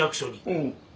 うん。